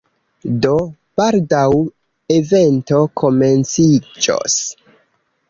Do, baldaŭ evento komenciĝos